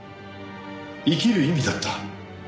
生きる意味だった。